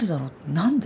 何で？